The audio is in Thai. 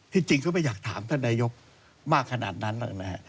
ที่จริงก็ไม่อยากถามท่านนายยกมากขนาดนั้นนะครับ